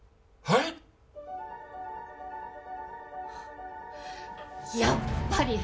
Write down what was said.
はっやっぱり！